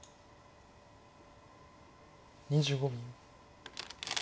２５秒。